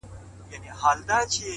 زموږه دوو زړونه دي تل د محبت مخته وي’